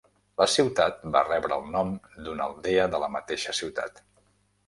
La ciutat va rebre el nom d'una aldea de la mateixa ciutat.